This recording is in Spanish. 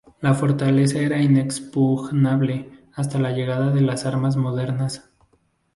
La fortaleza era inexpugnable hasta la llegada de las armas modernas.